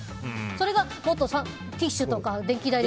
それがティッシュとか電気代とかで。